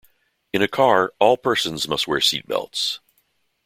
In a car, all persons must wear seat belt.